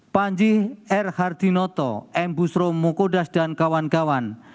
panji r hardinoto m busro mukodas dan kawan kawan